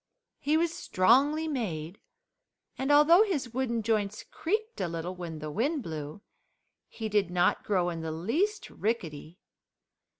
He was strongly made, and although his wooden joints creaked a little when the wind blew he did not grow in the least rickety.